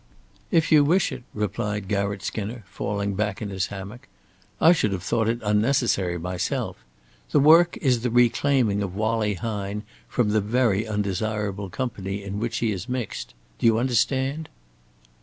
"If you wish it," replied Garratt Skinner, falling back in his hammock. "I should have thought it unnecessary myself. The work is the reclaiming of Wallie Hine from the very undesirable company in which he has mixed. Do you understand?"